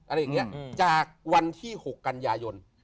อะไรอย่างนี้จากวันที่๖กันยายน